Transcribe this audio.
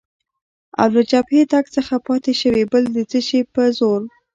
او له جبهې تګ څخه پاتې شوې، بل د څه شي په زور؟